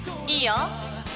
いいよ。